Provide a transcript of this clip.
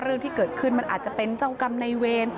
เรื่องที่เกิดขึ้นมันอาจจะเป็นเจ้ากรรมในเวร